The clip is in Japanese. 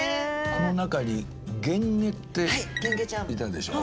この中にゲンゲっていたでしょ。